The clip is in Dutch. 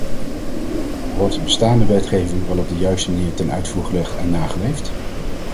Wordt bestaande wetgeving wel op de juiste manier ten uitvoer gelegd en nageleefd?